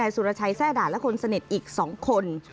สุรชัยแทร่ด่าและคนสนิทอีก๒คน